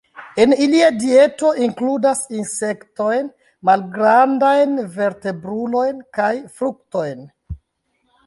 En ilia dieto inkludas insektojn, malgrandajn vertebrulojn kaj fruktojn.